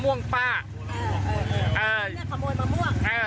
มันฟาดป้าไป